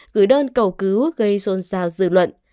gửi đơn cầu cứu gây xôn xao dư luận